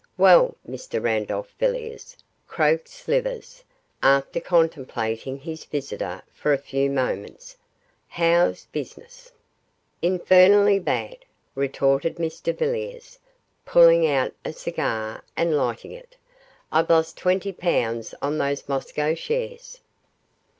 'Well, Mr Randolph Villiers,' croaked Slivers, after contemplating his visitor for a few moments, 'how's business?' 'Infernally bad,' retorted Mr Villiers, pulling out a cigar and lighting it. 'I've lost twenty pounds on those Moscow shares.